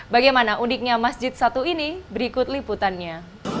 bagaimana uniknya masjid satu ini berikut liputannya